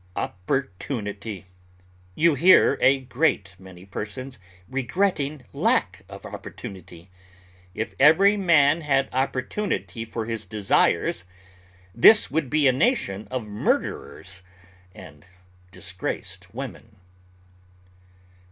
OPPORTUNITY You hear a great many persons regretting lack of opportunity. If every man had opportunity for his desires, this would be a nation of murderers and disgraced women.